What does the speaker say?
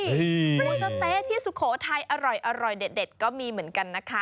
หมูสะเต๊ะที่สุโขทัยอร่อยเด็ดก็มีเหมือนกันนะคะ